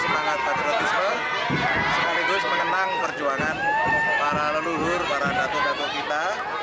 semangat patriotisme sekaligus mengenang perjuangan para leluhur para datuk datuk kita